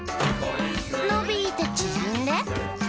「のびてちぢんで」